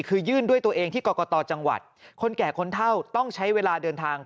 คือยื่นด้วยตัวเองที่กรกตจังหวัดคนแก่คนเท่าต้องใช้เวลาเดินทาง